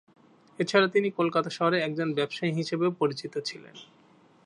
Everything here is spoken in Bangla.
এছাড়া তিনি কলকাতা শহরে একজন ব্যবসায়ী হিসেবেও পরিচিত ছিলেন।